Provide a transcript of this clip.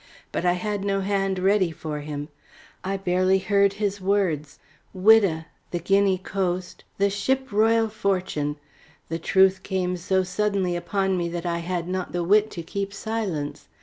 But I had no hand ready for him; I barely heard his words. Whydah the Guinea coast the ship Royal Fortune! The truth came so suddenly upon me that I had not the wit to keep silence.